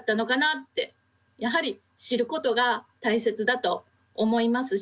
やはり知ることが大切だと思いますし。